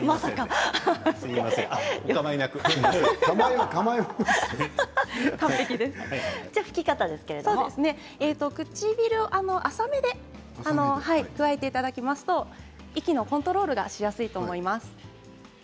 笑い声唇は浅めでくわえていただきますと息のコントロールがしやすいと思います。